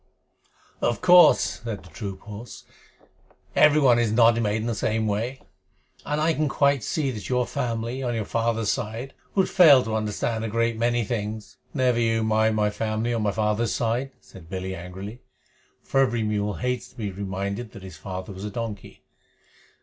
"Of course," said the troop horse, "everyone is not made in the same way, and I can quite see that your family, on your father's side, would fail to understand a great many things." "Never you mind my family on my father's side," said Billy angrily, for every mule hates to be reminded that his father was a donkey.